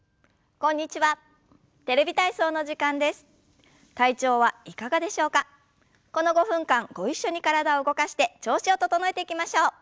この５分間ご一緒に体を動かして調子を整えていきましょう。